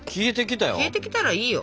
消えてきたらいいよ。